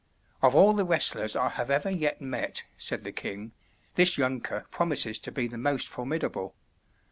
"Of all the wrestlers I have ever yet met," said the king, "this younker promises to be the most formidable.